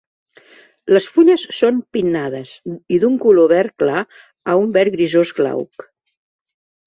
Les fulles són pinnades i d'un color verd clar a un verd grisós glauc.